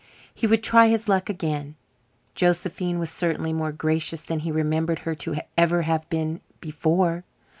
He would try his luck again; Josephine was certainly more gracious than he remembered her to ever have been before.